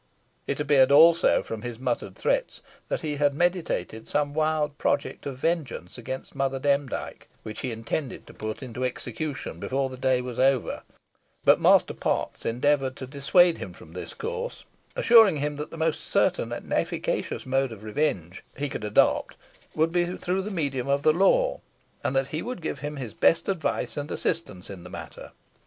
It appeared also, from his muttered threats, that he had meditated some wild project of vengeance against Mother Demdike, which he intended to put into execution, before the day was over; but Master Potts endeavoured to dissuade him from this course, assuring him that the most certain and efficacious mode of revenge he could adopt would be through the medium of the law, and that he would give him his best advice and assistance in the matter.